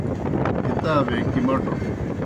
کتابے کِمٹوْ